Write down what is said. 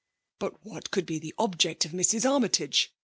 " But what could be the object of Mrs. Armytage